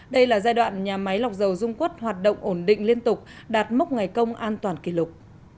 đây là giai đoạn nhà máy lọc dầu dung quất hoạt động ổn định liên tục đạt mốc ngày công an toàn kỷ lục